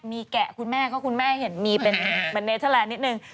มีแกะคุณแม่ก็คุณแม่เห็นมีเป็นเหมือนเนเทอร์แลนดนิดนึง